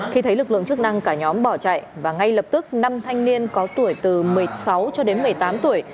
khi thấy lực lượng chức năng cả nhóm bỏ chạy và ngay lập tức năm thanh niên có tuổi từ một mươi sáu cho đến một mươi tám tuổi